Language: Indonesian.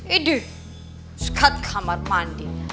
ideh sikat kamar mandi